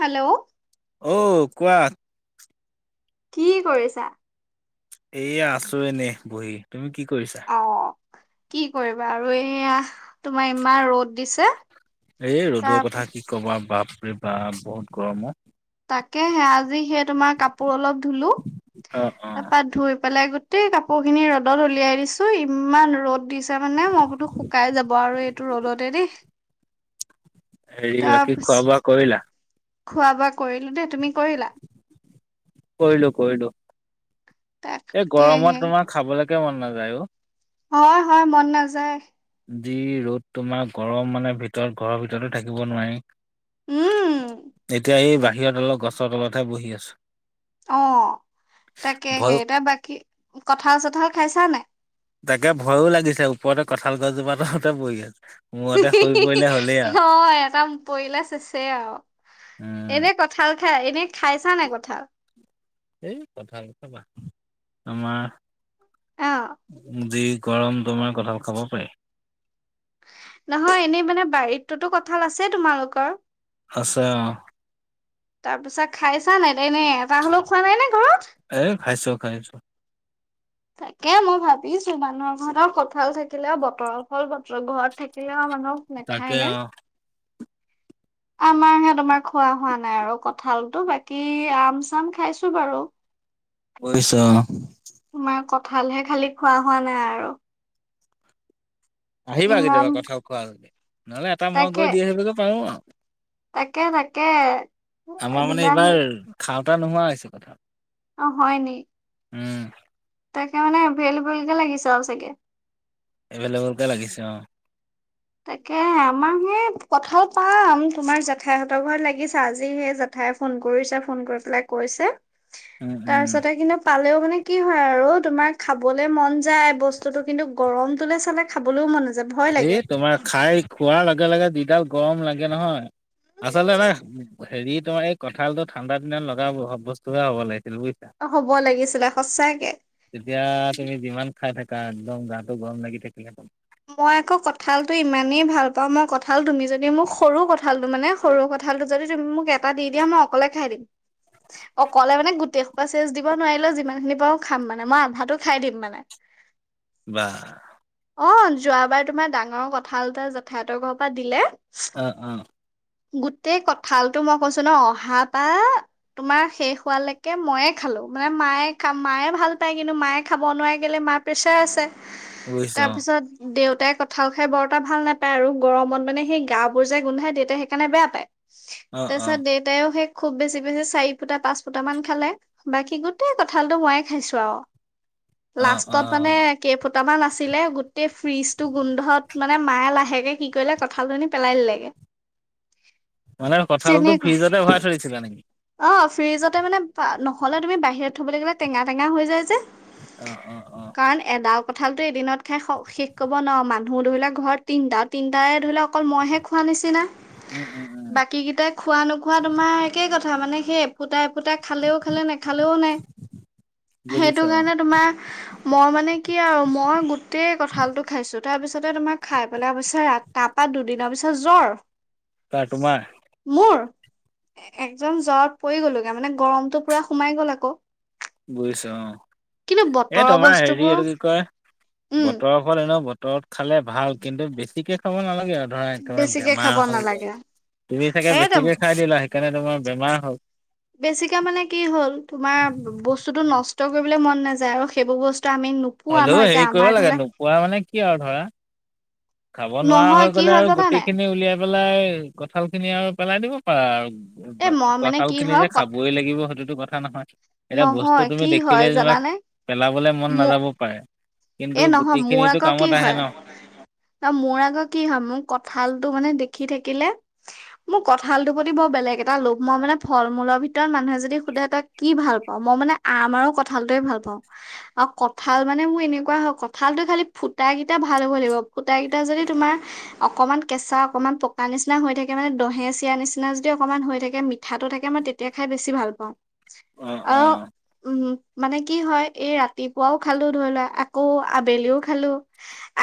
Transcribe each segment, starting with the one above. Hello! অঔ কোৱা। কি কৰিছা? এইয়া আছো এনেই বহি, তুমি কি কৰিছা? অঁ, কি কৰিবা আৰু এইয়া তোমাৰ ইমান ৰ'দ দিছে। এই ৰ'দৰ তাৰ কথা কি ক'বা, বাপৰে বাপ বহুত গৰম ঔ তাকেহে আজি সে তোমাৰ কাপোৰ অলপ ধুলো, অ', অ' তাৰপা ধুই পেলাই গো টেই কাপোৰ খিনি ৰ'দত উলিয়াই দিছো, ইমান ৰ'দ দিছ তামানে মইবোলো শুকাই যাব আৰু এইটো ৰ'দতে দেই। হেৰি বাকি তাৰপিছ খোৱা বোৱা কৰিলা? খোৱা বোৱা কৰিলো দেই তুমি কৰিলা? কৰিলো কৰিলো। এ তাকেহে গৰমত তোমাৰ খাবলেকে মন নাযায় অও। হয় হয় মন নাযায়। যি ৰ'দ তোমাৰ গৰম মানে ভিতৰত ঘৰৰ ভিতৰতো থাকিব নোৱাই। উম এতিয়া এই বাহিৰত অলপ গছৰ তলতহে বহি আছো। অঁ তাকেহে ভয় ইটা বাকী কঠাঁল চঠাঁল খাইছা নাই? তাকে ভয়ো লাগিছে, ওপতে কঁঠাল গছজোপা তলতে বহি আছো। মূৰতে সৰি পৰিলে হ'লেই [unintelligible] আৰু হয়, এটা পৰিলা চেছে আও, উম, এনেই কঁঠাল খাই, এনেই খাইছা নাই কঁঠাল? এই কঁঠাল খোৱা বাদ [unintelligible] আমাৰ অ যি গৰম তোমাৰ কঁঠাল খাব পাৰি? নহয় এনেই মানে, বাৰীটোতো কঁঠাল আছেই তোমালোকৰ? আছে অঁ। তাৰপিছত খাইছা নাই, এনে এটা হ'লেও খোৱা নাই নে ঘৰত? এ খাইছো খাইছো। তাকে মই ভাবিছো, মানুহৰ ঘৰত আও কঁঠাল থাকিলে আও বতৰ ফল বতৰ ঘৰত থাকিলে আও মানুহৰ তাকে নেখায় অ নাই? আমাৰ হে তোমাৰ খোৱা হোৱা নাই আৰু কঁঠালতটো বাকী আম চাম খাইছো বাৰু। [inaudible] বুজিছো অঁ। তোমাৰ কঁঠালহে খালি খোৱা হোৱা নাই আৰু। আহিবা ইমান কেতিয়াবা কঁঠাল খোৱা যদি, নহ'লে এটা মই তাকে গৈ দি আহিবগে পাৰো আও তাকে তাকে। আমাৰ মানে দিবাহি এইবাৰ খাওঁতা নোহোৱা হৈছে কঁঠাল। অঁ হয় নি? উম। তাকে মানে এভেলএবোল কে লাগিছে আও চাগে! এভেলেবলকে লাগিছে অঁ। তাকে আমাৰ হেঁ, কঁঠাল পাম তোমাৰ জেঠাইহঁতৰ ঘৰত লাগিছে আজি সেই জে ঠাইয়ে ফোন কৰিছে, ফোন কৰি পেলাই কৈছে উম। উম তাৰপিছতে কিন্তু পালেও মানে কি হয় আৰু তোমাৰ খাবলে মন যায় বস্তুটো কিন্তু গৰমটোলে চালে খাবলেও মন নাযা এই তোমাৰ খাই খোৱাৰ লগে লগে যি ডাল গৰম লাগে নহয়, আচলতে এটা হেৰি তোমাৰ, এই কঁঠাল টো ঠাণ্ডা দিনত লগা ব বস্তু হে হ'ব লাগিছিল বুজিছা? অ, হ'ব লাগিছিলে সচাকে। তেতিয়া তুমি যিমান খাই থাকা একদম গাটো গৰম লাগি থাকিলে হল। মই আকৌ কঁঠালটো ইমানেই ভাল পাওঁ, মই কঁঠাল তুমি যদি মোৰ সৰু কঠালটো মানে সৰু কঁঠালটো যদি তুমি মোক এটা দি দিয়া মই অকলে খাই দিম। অকলে মানে গোটেই সোপা চেচ দিব নোৱাৰিলেও যিমান খিনি পাওঁ খাম মানে মই আন্ধাতো খাই দিম মানে বাহ অ', যোৱাবাৰ তোমাৰ ডাঙৰ কঠাল এটা জেঠাই হতৰ ঘৰৰ পৰা দিলে অ', অ'। গোটেই কঁঠালটো মই কৈছো ন অহাপা তোমাৰ শেষ হোৱালৈকে ময়ে খালো, মানে মায়ে মায়ে ভাল পায় কিন্তু মায়ে খাব নোৱাৰে কেলে মা পেছাৰ আছে। বুজিছো তাৰপিছত দেউতাই কঠাল খাই বৰ এটা ভাল নাপায়। আৰু গৰমত মানে সেই গা বোৰ যে গোন্ধাই দেউতাই সেইকাৰণে বেয়া পায়। অ তাৰ অ পিছত দেউতাইও সেই খুব বেছি বেছি চাৰি ফুটা পাঁচ ফুটা মান খালে বাকী গোটেই কঁঠালতটো ময়ে খাইছো আৰু অ অ লাষ্টত মানে অ কেইফুটামান আছে [unintelligible] গোটেই ফ্ৰিজ টো গোন্ধত মানে মায়ে লাহেকে কি কৰিলে কঁঠাল আনি পেলাই দিলেগে। [inaudible] মানে কঁঠালটো তেনেকুৱা ফ্ৰিজতে ভৰাই থৈ দিছিলে নি? অ', ফ্ৰিজতে মানে নহলে তুমি বাহিৰত থবলৈ গ'লে টেঙা টেঙা হৈ যায় যে। অ', অ', অ'। কাৰণ এডাল কঠালটো এদিনত খাই শেষ কব নোৱাৰে। মানুহ ধৰি লও ঘৰত তিনটা, তিনিটাৰে ধৰি লও অকল মইহে খোৱা নিচিনা। উম, উম, উম, বাকী কেইটাই খোৱা নোখোৱা তোমাৰ একেই কথা মানে সেই ফুটা এ পুটা খালেও খালে নে খালেও নাই সেইটো বুজিছোঁ অ', কাৰণে তোমাৰ মই মানে কি আৰু মই গো গোটেই কঁঠালটো খাইছো। তাৰ পিছতে তোমাৰ খাই পেলাই অৱশ্যে তাৰপা দুদিনৰ পিছত জ্বৰ। কাৰ তোমাৰ? মোৰ, একদম জ্বৰত পৰি গ'লোগে মানে গৰমতটো পুৰা সোমাই গ'ল আকৌ। বুজিছো অ',, কিন্তু এ বতৰৰ তোমাৰ হেৰি বস্তুবোৰ এইটো কি কয় উম বতৰৰ ফল এনেও বতৰত খালে ভাল। কিন্তু বেছিকে খাব নালাগে আৰু ধৰা তমাৰ বেছিকে বেমাৰ খাব হৈ গল। নালাগে তুমি চাগে সেইটোৱে বেছিকে খাই দিলা সেইকাৰণে তোমাৰ বেমাৰ হল। বেছিকে মানে কি হ'ল, তোমাৰ বস্তুতো নষ্ট কৰিবলে মন নাযায়। আৰু সেইবোৰ বস্তু আমি নোপোৱা ন হলেও এতিয়া হেৰি কৰিব আমাৰ লাগে। ধৰি লোৱা নোপোৱা মানে কি আৰু ধৰা খাব নোৱাৰা নহয় হৈ কি গলে হয় আৰু জানা গুটি নাই খিনি উলিয়াই পেলাই কঁঠাল খিনি আৰু পেলাই দিব পাৰা এ আৰু। মই মানে কথাল কি খিনি হয় যে ক খাবই লাগিব সেইটোতো কথা নহয়। এতিয়া বস্তু নহয় তুমি কি হয় দেখিলে তোমাক জানানে পেলাবলে মন মোক নাযাবই পাৰে। এ, কিন্তু নহয় মোৰ গোটেইখিনিতো আকৌ কি কামত আহে হয় ন অ', মোৰ আক কি হয়, মোৰ কঁঠালটো মানে দেখি থাকিলে মোৰ কঁঠালটোৰ প্ৰতি বৰ বেলেগ এটা লোভ। মই মানে ফল মূলৰ ভিতৰত মানুহে যদি সোধে তাক কি ভাল পাওঁ, মই মানে আম আৰু কঁঠালটোয়ে ভাল পাওঁ আৰু কঁঠাল মানে মোৰ এনে কোৱা হয় কঁঠালটো খালি ফুটা কেইটা ভাল হ'ব লাগিব, ফুটা কেইটা যদি তোমাৰ অকমান কেঁচা, অকনমান পকা নিচিনা হৈ থাকে মানে দহে চিৰা নিচিনা যদি অকনমান হৈ থাকে, মিঠাটো থাকে মানে তেতিয়া খাই বেছি ভাল পাওঁ। অঁ আৰু অঁ উম মানে কি হয় এই ৰাতিপুৱাও খালো ধৰি লোৱা আকৌ আবেলিও খালো,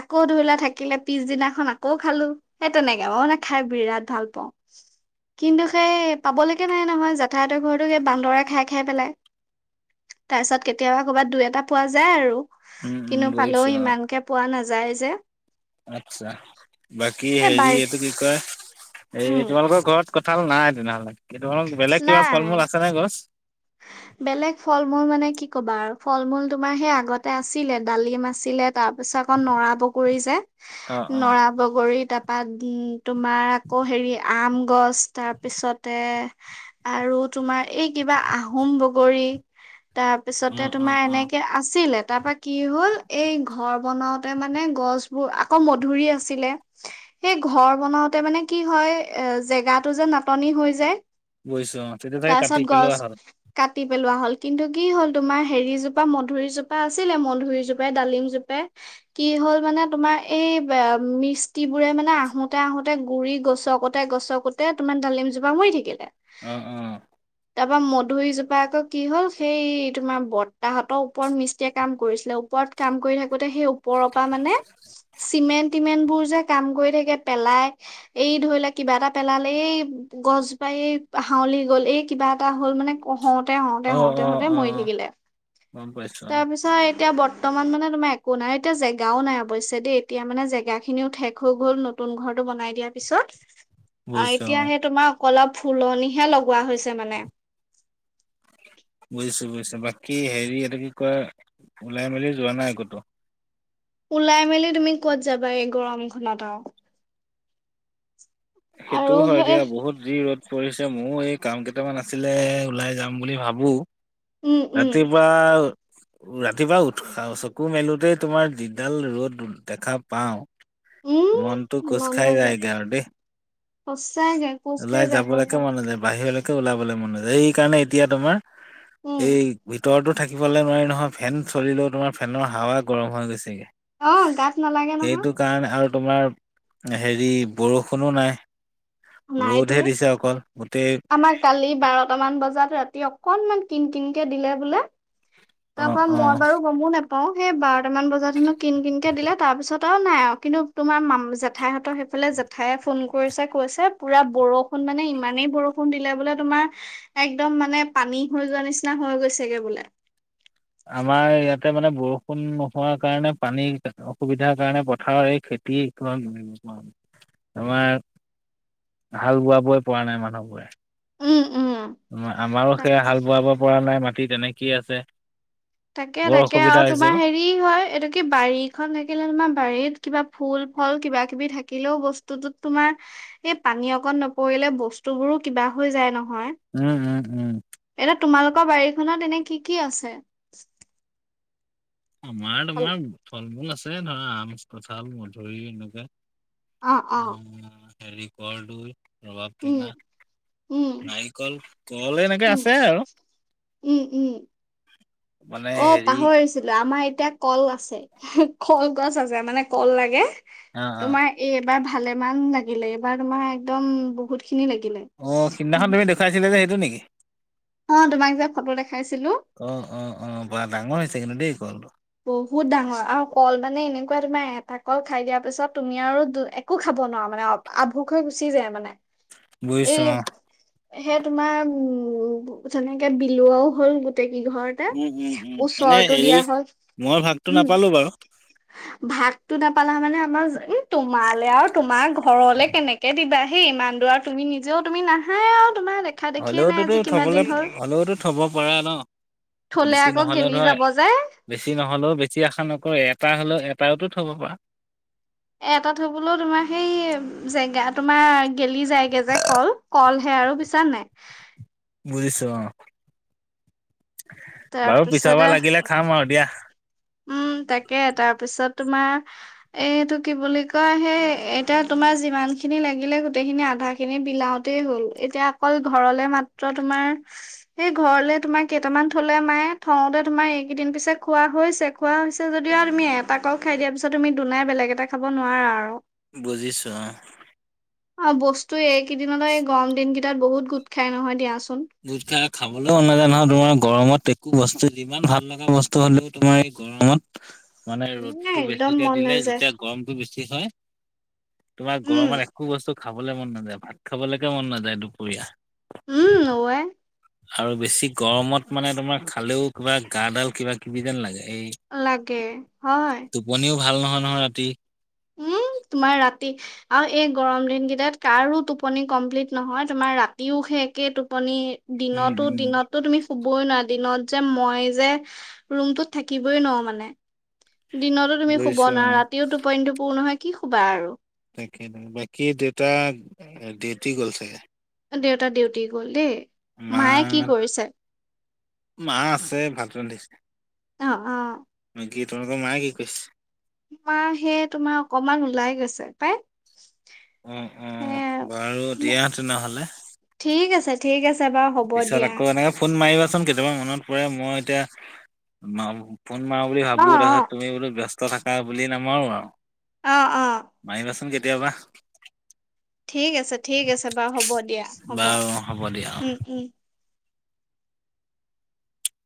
আকৌ ধৰি লোৱা থাকিলে পিছদিনাখন আকৌ খালো। সেই তেনেকে মই মানে খাই বিৰাট ভাল পাওঁ। কিন্তু সেই পাবলৈকে নাই নহয়। জেঠাই ঘৰতো এই বান্দৰে খাই খাই পেলাই। তাৰ পিছত কেতিয়াবা কৰ'বাত দুই এটা পোৱা যায় আৰু। উম উম কিন্তু পালেওঁ বুজিছো অঁ ইমানকে পোৱা নাযায় যে। আচ্ছা বাকী এ হেৰি বাৰ এইটো কি কয় এই উম তোমালোকৰ ঘৰত কঠাল নাই তেনেহ'লে বেলেগ কিবা নাই। ফল-মূল আছে নে গছত? বেলেগ ফল-মূল মানে কি ক'বা আৰু ফল-মূল তোমাৰ সেই আগতে আছিলে, ডালিম আছিলে‌। তাৰ পিছত আকৌ নৰা বগৰী যে অঁ অঁ নৰা বগৰী। তাৰপা উম', তোমাৰ আকৌ হেৰি আম গছ তাৰ তাৰ পিছতে আৰু তোমাৰ এই কিবা আহোম বগৰী, তাৰ তাৰ পিছতে অঁ অঁ তোমাৰ অঁ এনেকে আছিলে। তাৰপা কি হ'ল এই ঘৰ বনাওতে মানে গছবোৰ আকৌ মধুৰি আছিলে। সেই ঘৰ বনাওতে মানে কি হয় এ' জেগাটো যে নাটনি হৈ যায়। গৈছে। অ' তেতিয়া থাকে কাটি তাৰপিছত পেলও আহ গছ কাটি পেলোৱা হ'ল কিন্তু কি হ'ল তোমাৰ হেৰিজোপা মধুুৰীজোপা আছিলে। মধুৰিজোপাই ডালিম জোপাই কি হ'ল মানে তোমাৰ এই মিস্তিবোৰে মানে আহোতে আহোতে গুৰি গছকত গছকুতে তোমাৰ ডালিম জোপা মৰি থাকিলে। অ', অ',। তাৰপ ম' দুইজোপা আকৌ কি হ'ল সেই তোমাৰ বৰ্তাহঁতৰ ওপৰত মিস্ত্ৰীয়ে কাম কৰিছিলে। ওপৰত কাম কৰি থাকোতে সেই ওপৰৰ পৰা মানে চিমেণ্ট-টিমেণ্ট বোৰ যে কাম কৰি থাকে পেলাই, এই ধৰি লোৱা কিবা এটা পেলালে এই গছ জোপা এই হাউলি গ'ল, এই কিবা এটা হ'ল। মানে কত হওঁতে অঁ হওঁতে অঁ হওঁতে মৰি অঁ থাকিলে। গম পাইছো অঁ তাৰ পিছত এতিয়া বৰ্তমান মানে তোমাৰ একো নাই এতিয়া জেগাও নাই অৱশ্য দেই, এতিয়া মানে জেগাখিনিও ঠক হৈ গ'ল। নতুন নতুন ঘৰটো বনাই দিয়াৰ পিছত। আহ বুজিছো এতিয়া অ সেই তোমাৰ অ' অলপ ফুলনিহে লগোৱা হৈছে মানে। বুজিছো বুজিছো বাকী হেৰি এটা কি কয়, ওলাই মেলি যোৱা নাই কটো? ওলাই মেলি তুমি কত যাবা এই গৰমখনত আৰু। আৰু আৰু সেইটোও হয় দিয়া সেই বহুত যি ৰ'দ পৰিছে মোৰ এই কাম কেইটামান আছিলে ওলাই যাম বুলি ভাবো! উম উম ৰাতিপুৱা ৰাতিপুৱা উৎস চকু মেলোতেই তোমাৰ যিডাল ৰ'দ দেখা পাওঁ। মনটো উম খোচ মন খাই নাযায় যায়গে আৰু দেই। সঁচাকে কোচ খাই ওলাই যায় যাবলৈকে সঁচাই মন নাযায়। বাহিৰলৈকে ওলাবলে মনায় সেইকাৰণে এতিয়া তোমাৰ উম এই উতৰতো থাকিবলৈ নোৱাৰি নহয়, ফেন চলিলেও তোমাৰ ফেনৰ হাৱা গৰম হৈ গৈছেগে। অ', গাত নালাগে নহয়। কাৰণ আৰু তোমাৰ হেৰি বৰষুণো নাই। নাইতো ৰ'দহে দিছে অকল গোটেই। আমাৰ কালি বাৰট মান বজাত, ৰাতি অকনমান কিন কিনকে দিলে বোলে। তাৰ অ', পৰা মই অ', বাৰু গমো নাপাওঁ। অ' সেই বাৰটামান বজাত হেনো কিন কিনকে দিলে, তাৰ পিছত আৰু নাই আৰু কিন্তু তোমাৰ ম' জেঠাইহঁতৰ সেইফালে ঠাই ফোন কৰিছে কৈছে পুৰা বৰষুণ মানে ইমানেই বৰষুণ কোন দিলে বোলে তোমাৰ, একদম মানে পানী হৈ যোৱা নিচিনা হৈ গৈছেগে বোলে। আমাৰ ইয়াতে মানে বৰষুণ নোহোৱাৰ কাৰণে পানীৰ অসুবিধাৰ কাৰণে পথাৰৰ এই খে তি [inaudible] আমাৰ হাল বোৱাবই পৰা নাই মানুহবোৰে‌। উম উম। আমাৰো তাক সেয়া হাল বোৱাব পৰা নাই মাটি তেনেকেইে আছে। তাকে বৰ তাকে অসুবিধা আৰু হৈছে তোমাৰ অ'। হেৰি ফ্ৰি হয় এইটো কি বাৰীখন থাকিলে তোমাৰ বাৰীত কিবা ফুল ফল কিবা কিবি থাকিলেও ব স্তুত তোমাৰ এই পানী অকণ নপৰিলে বস্তু বোৰো কিবা হৈ যায় নহয়। উম উম উম। এতিয়া তোমালোকৰ বাৰীখনত এনে কি কি আছে? আমাৰ অ তোমাৰ ফল মূল আছে ধৰা আমছ কঁঠাল মধুৰি এনকে। অ আহ হেৰি কৰ্দই, ৰবাপ উম টেঙা, উম নাৰিকল, কল এনেকে উম আছে আৰু। উম উম। মানে অ হেৰি পাহৰিছিলো আমাৰ এতিয়া কল আছে কলগছ আছে মানে কল লাগে। অ', অ'। তোমাৰ এই এবাৰ ভালেমান লাগিলে, এইবাৰ তোমাৰ একদম বহুত খিনি লাগিলে। অ সিদিনাখন তুমি দেখুৱাইছিলা যে সেইটো নেকি। অ তোমাক যে ফটো দেখাইছিলো। অ অ অ বা ডাঙৰ হৈছে কিন্তু দেই কল। বহুত ডাঙৰ আৰু কল মানে এনেকুৱা তোমাৰ এটা কল খাই দিয়াৰ পিছত তুমি আৰু দু এ কো খাব নোৱাৰা মানে আভুষ হৈ গুচি যায় মানে, বুজিছো এই অ সেই তোমাৰ উম তেনেকে বিলুৱও হল গোটেই কি ঘৰত। উম উম উম এনে হেৰি মই ভাগটো উম নাপালো বাৰু। ভাগতো নাপালা মানে আমাৰ উ তোমালে আৰু তোমাৰ ঘৰলে কেনেকে দিবা সেই ইমান দূৰাত তুমি নিজেও তুমি নাহা তোমাৰ দে হলিউটোতো থবলৈ হলিউটো থব পৰা ন। থলে বেছি আকৌ নহলে গেলি ধৰ। যাব যে বেছি নহ'লেও বেছি আশা নকৰে এটা হলেও এটাতো থব পাৰা। এটা থবলৈও তোমাৰ সেই জেগা তোমাৰ গেলি যায়গে যে কল। কলহে আৰু বুজিছা নাই? বুজিছো অ, বাৰু পিছৰ তাৰপিছতে বাৰ লাগিলে খাম আৰু দিয়া। উম তাকে তাৰপিছত তোমাৰ এইটো কি বুলি কয় সেই এতিয়া তোমাৰ যিমান খিনি লাগিলে গোটেইখিনি আধা খিনি বিলও তে গল, এতিয়া অকল ঘৰলে মাত্ৰ তোমাৰ সেই ঘৰলে তোমাৰ কেইটামান থলে মায়ে থওতে তোমাৰ এইকেইদিন পিছে খোৱা হৈছে। খোৱা হৈছে যদি আৰু তুমি এটা কল খাই দিয়া পিছত তুমি দুনাই বেলেগ এটা খাব নোৱাৰা আৰু। বুজিছোঁ আ। আৰু বস্তু এইকেইদিনলৈ গৰম দিন কেইটাত বহুত গোট খাই নহয় দিয়াচোন। দুধ খাই খাবলৈও মন নাজাই নহয় তোমাৰ গৰমত একো বস্তু যিমান ভাল এনেকুৱা বস্তু হ'লেও তোমাৰ এই গৰমত মানে ৰ'দতটো একদম বেছিকে মন দিলে নাযায় যেতিয়া গৰমটো বেছি হয়। তোমাৰ উম গৰমত একো বস্তু খাবলে মন নাযায়, ভাত খাবলৈকে মন নাযায় দুপৰীয়া। উম নোৱায়ে। আৰু বেছি গৰমত মানে তোমাৰ খালেও কিবা গাডাল কিবা কিবি যেন লাগে, এই লাগে হয়। টোপনিও ভাল নহয়, নহয় ৰাতি। উম, তোমাৰ ৰাতি। আৰু এই গৰম দিনকেইটাত কাৰো টোপনি কমপ্লিট নহয় তোমাৰ ৰাতিও সে একে টোপনি। উম দিনতো, উম দিনতো তুমি হুবই নোৱাৰা দিনত যে মই যে ৰুমতোত থাকিবই নোৱাৰো মানে। দিনতো তুমি শুব বুজিছো অ নোৱাৰা ৰাতিও টোপনিটো পুৰ নহয় কি শুবা আৰু। তাকে ত বাকী দেউটা ডিউটি গ'ল চাগে। দেউতা ডিউটি গ'ল দেই মা মায়ে কি কৰিছে? মা আছে ভাত ৰান্ধিছে, অ', অ', বাকী কি তোমালোকৰ মায়ে কি কৰিছে। মা সেয়ে তোমাৰ অকমান ওলাই গৈছে পাই। অ', অ', সেয়া বাৰু দিয়া তেনেহ'লে। ঠিক আছে। ঠিক আছে বাৰু। হ'ব পিছত দিয়া, আকৌ এনেকে ফোন মাৰিবাচোন কেতিয়াবা মনত পৰে মই এতিয়া ফোন মাৰো বুলি অ', ভাবোঁ অ', তাৰপিছত তুমি বোলো ব্যস্ত থাকা বুলি নামাৰো আৰু। অ', অ'। মাৰিবাচোন কেতিয়াবা। ঠিক আছে, ঠিক আছে বাৰু হ'ব দিয়া হ'ব বাৰু হ'ব দিয়া। উম, উম।